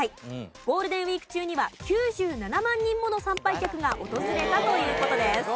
ゴールデンウィーク中には９７万人もの参拝客が訪れたという事です。